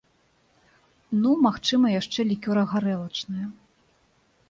Ну, магчыма, яшчэ лікёра-гарэлачная.